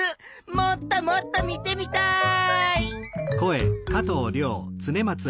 もっともっと見てみたい！